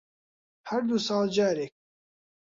هەر دوو ساڵ جارێک